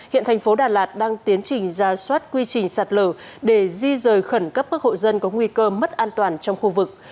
hiện thành phố đà lạt đang tiến trình ra soát quy trình sạt lở để di rời khẩn cấp các hộ dân có nguy cơ mất an toàn trong khu vực